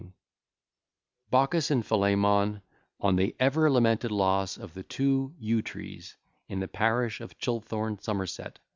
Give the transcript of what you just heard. ] BAUCIS AND PHILEMON ON THE EVER LAMENTED LOSS OF THE TWO YEW TREES IN THE PARISH OF CHILTHORNE, SOMERSET.